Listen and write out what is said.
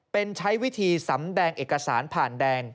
เป็นใช้วิธีสำแดงเอกสารผ่านแดน